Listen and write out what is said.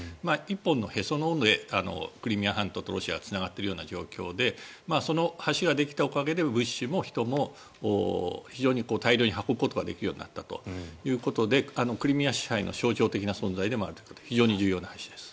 １本のへその緒でクリミアとロシアはつながっているような状況でその橋が出たおかげで物資も人も非常に大量に運ぶことができるようになったということでクリミア支配の象徴的な存在でもあるということで非常に重要な橋です。